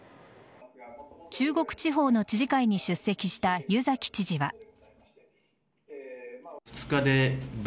中国地方の知事会に出席した湯崎知事は。